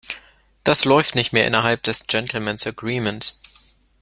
Das läuft nicht mehr innerhalb des Gentlemen's Agreement.